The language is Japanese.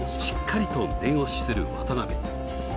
しっかりと念押しする渡辺。